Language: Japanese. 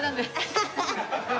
ハハハッ。